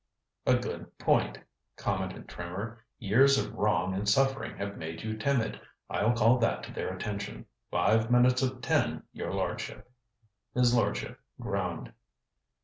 "A good point," commented Trimmer. "Years of wrong and suffering have made you timid. I'll call that to their attention. Five minutes of ten, your lordship." His lordship groaned.